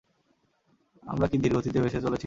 আমরা কি ধীরগতিতে ভেসে চলছি?